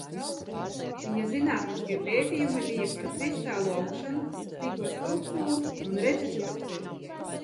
Viņa zinātniskie pētījumi bija par kristālu augšanu, stikla struktūru un redzes uztveri.